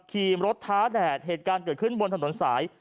ขี่รถท้าแดดเหตุการณ์เกิดขึ้นบนถนนสาย